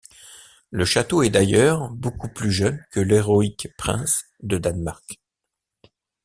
Le château est, d’ailleurs, beaucoup plus jeune que l’héroïque prince de Danemark.